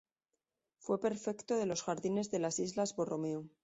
Fue prefecto de los jardines de las islas Borromeo.